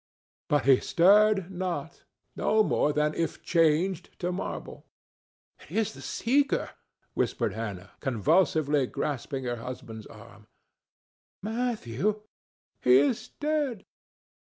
But he stirred not, no more than if changed to marble. "It is the Seeker," whispered Hannah, convulsively grasping her husband's arm. "Matthew, he is dead."